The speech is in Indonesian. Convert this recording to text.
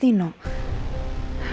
tapi dia tidak mencinta mas dino